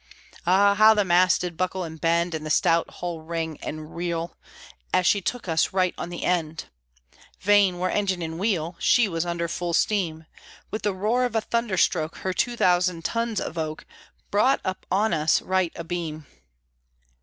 Ah! how the masts did buckle and bend, And the stout hull ring and reel, As she took us right on end! (Vain were engine and wheel, She was under full steam) With the roar of a thunder stroke Her two thousand tons of oak Brought up on us, right abeam!